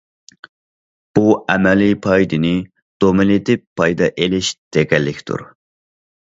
بۇ ئەمەلىي پايدىنى دومىلىتىپ پايدا ئېلىش دېگەنلىكتۇر.